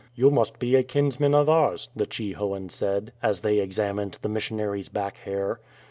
" You must be a kinsman of ours," the Chhi hoan said, as they examined the missionary's back hair.